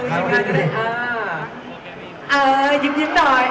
อ่ายิ้มยิ้มหน่อย